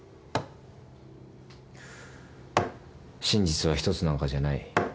「真実は１つなんかじゃない。